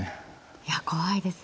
いや怖いですね。